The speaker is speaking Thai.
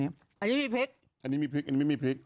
อันนี้มีพริกอันนี้มีพริก